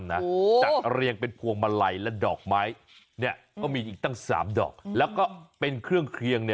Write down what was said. จัดเรียงเป็นพวงมาลัยและดอกไม้ก็มีอีกตั้ง๓ดอกแล้วก็เป็นเครื่องเคลียง